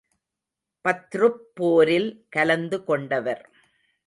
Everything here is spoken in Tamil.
பத்ருப் போரில் கலந்து கொண்டவர்.